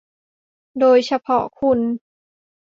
โดยเฉพาะคุณ